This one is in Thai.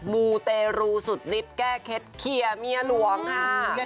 มูเตรูสุดฤทธิ์แก้เคล็ดเคลียร์เมียหลวงค่ะ